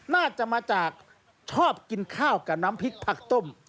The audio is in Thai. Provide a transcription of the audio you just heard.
น่าจะมาจากชอบกินข้าวกับน้ำพริกผักต้ม